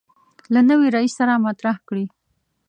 له نوي رئیس سره مطرح کړي.